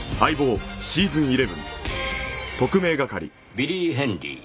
ビリー・ヘンリー。